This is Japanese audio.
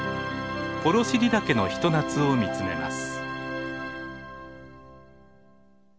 幌尻岳の一夏を見つめます。